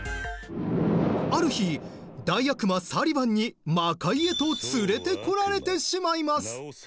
ある日大悪魔サリバンに魔界へと連れてこられてしまいます。